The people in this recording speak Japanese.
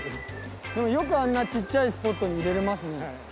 でもよくあんなちっちゃいスポットに入れれますね。